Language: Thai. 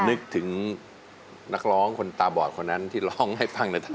นึกถึงนักร้องคนตาบอดคนนั้นที่ร้องให้ฟังหน่อย